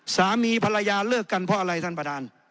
สามีภรรยาเลิกกันเพราะอะไรท่านประธาน